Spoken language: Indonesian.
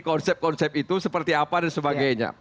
konsep konsep itu seperti apa dan sebagainya